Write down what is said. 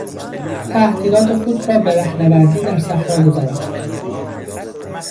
تعطیلات خود را به رهنوردی در صحرا گذراند.